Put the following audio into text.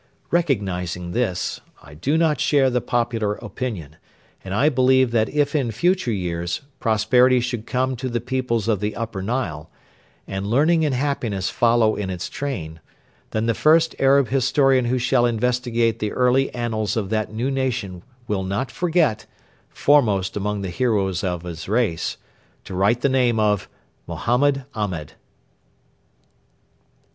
Recognising this, I do not share the popular opinion, and I believe that if in future years prosperity should come to the peoples of the Upper Nile, and learning and happiness follow in its train, then the first Arab historian who shall investigate the early annals of that new nation will not forget, foremost among the heroes of his race, to write the name of Mohammed Ahmed.